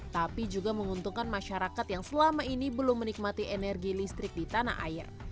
tapi juga menguntungkan masyarakat yang selama ini belum menikmati energi listrik di tanah air